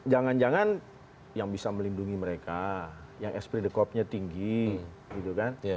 jangan jangan yang bisa melindungi mereka yang esprit de corpsnya tinggi gitu kan